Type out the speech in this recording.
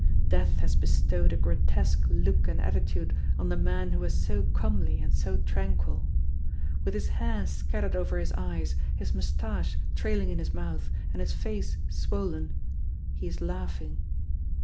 Death has bestowed a grotesque look and attitude on the man who was so comely and so tranquil. With his hair scattered over his eyes, his mustache trailing in his mouth, and his face swollen he is laughing.